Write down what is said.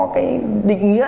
cái định nghĩa